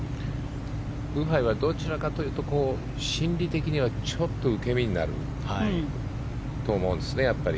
ブハイはどちらかというと心理的にはちょっと受け身になると思うんですね。